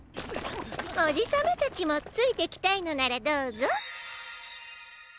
おじさまたちもついてきたいのならどうぞ。